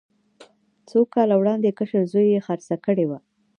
څو کاله وړاندې کشر زوی یې خرڅه کړې وه.